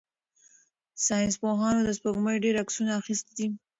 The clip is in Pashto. ساینس پوهانو د سپوږمۍ ډېر عکسونه اخیستي دي.